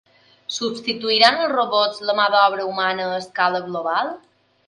Substituiran els robots la mà d’obra humana a escala global?